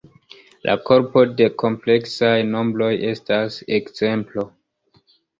La korpo de kompleksaj nombroj estas ekzemplo.